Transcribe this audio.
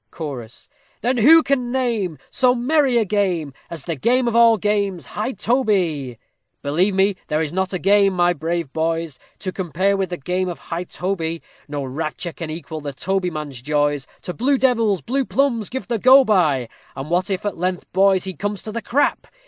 CHORUS Then who can name So merry a game, As the game of all games high toby? Believe me, there is not a game, my brave boys, To compare with the game of high toby; No rapture can equal the tobyman's joys, To blue devils, blue plumbs give the go by; And what if, at length, boys, he come to the crap!